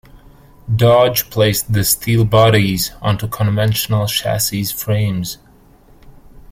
Dodge placed the steel bodies onto conventional chassis frames.